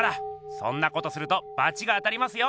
そんなことするとバチが当たりますよ。